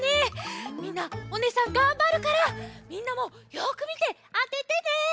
みんなおねえさんがんばるからみんなもよくみてあててね！